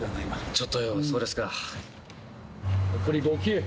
ちょっと、そうですか。